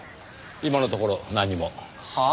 今のところ何も。はあ？